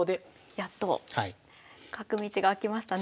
やっと角道が開きましたね。